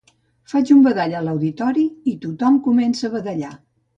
Faig un badall a l'auditori i tothom comença a badallar